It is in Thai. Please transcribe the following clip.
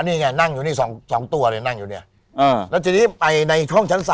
แต่ฉะนึงอย่างโตเนี่ยผมขึ้นไปชั้น๓ล่ะ